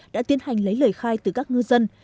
đã tiến hành lấy lời khai từ các ngư dân